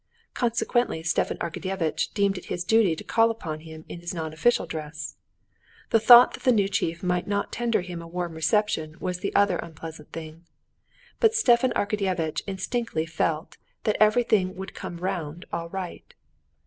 Consequently Stepan Arkadyevitch deemed it his duty to call upon him in his non official dress. The thought that the new chief might not tender him a warm reception was the other unpleasant thing. But Stepan Arkadyevitch instinctively felt that everything would come round all right.